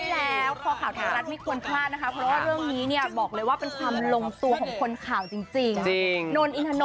ลองให้เผื่อตกงานเหรอ